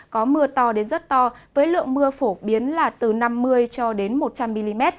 có mưa to đến rất to với lượng mưa phổ biến là từ năm mươi cho đến một trăm linh mm